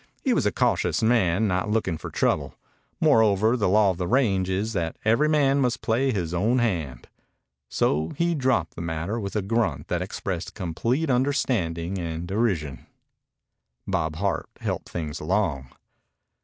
He was a cautious man, not looking for trouble. Moreover, the law of the range is that every man must play his own hand. So he dropped the matter with a grunt that expressed complete understanding and derision. Bob Hart helped things along.